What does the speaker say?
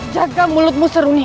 jaga mulutmu seru nih